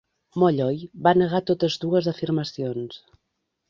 Molloy va negar totes dues afirmacions.